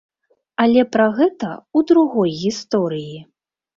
Але пра гэта ў другой гісторыі.